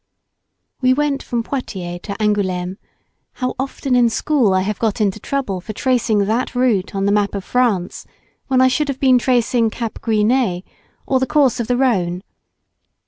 We went from Poitiers to Angoulème—how often in school I have got into trouble for tracing that route on the map of France when I should have been tracing Cap Griz Nez, or the course of the Rhone!